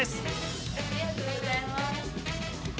ありがとうございます！